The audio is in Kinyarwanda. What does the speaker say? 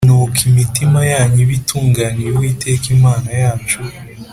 Nuko imitima yanyu ibe itunganiye Uwiteka Imana yacu